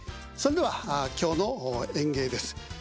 それでは今日の演芸です。